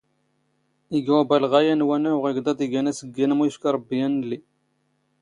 ⵉⴳⴰ ⵓⴱⴰⵍⵖⴰ ⵢⴰⵏ ⵡⴰⵏⴰⵡ ⵖ ⵉⴳⴹⴰⴹ ⵉⴳⴰⵏ ⴰⵙⴳⴳⴰⵏ ⵎⵓ ⵉⴼⴽⴰ ⵕⴱⴱⵉ ⴰⵏⵍⵍⵉ.